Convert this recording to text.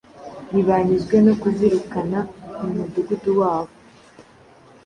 ntibanyuzwe no kuzirukana mu mudugudu wabo.